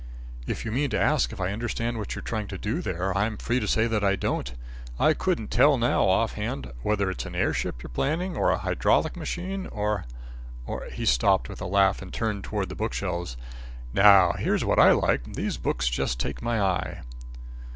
"If you mean to ask if I understand what you're trying to do there, I'm free to say that I don't. I couldn't tell now, off hand, whether it's an air ship you're planning, a hydraulic machine or or " He stopped, with a laugh and turned towards the book shelves. "Now here's what I like. These books just take my eye."